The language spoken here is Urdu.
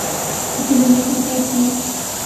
اس نے دنیا کو متحد کیا ہے